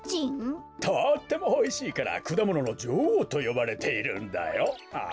とってもおいしいからくだもののじょおうとよばれているんだよ。